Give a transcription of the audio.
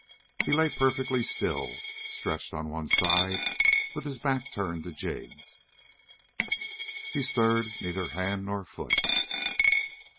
He lay perfectly still, stretched on one side, with his back turned to Jig. He stirred neither hand nor foot.